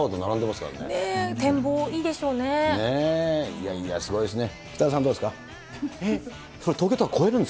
いや、ねえ、いやいや、すごいですね。